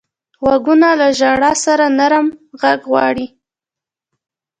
غوږونه له ژړا سره نرمه غږ غواړي